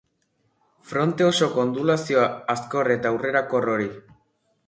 Fronte osoko ondulazio hazkor eta aurrerakor hori.